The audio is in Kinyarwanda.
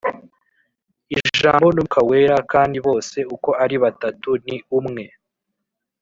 iJambo n’Umwuka Wera: kandi bose uko ari batatu ni umwe